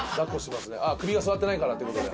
あっ首が据わってないからっていうことで。